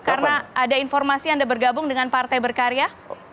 karena ada informasi anda bergabung dengan partai berkarya